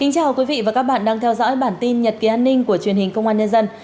chào mừng quý vị đến với bản tin nhật ký an ninh của truyền hình công an nhân dân